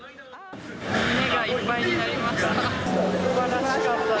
胸がいっぱいになりました。